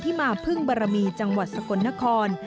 มาพึ่งบารมีจังหวัดสกลนคร